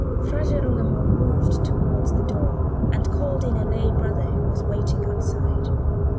Fra Girolamo moved towards the door, and called in a lay Brother who was waiting outside.